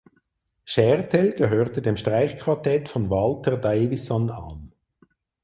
Schertel gehörte dem Streichquartett von Walther Davisson an.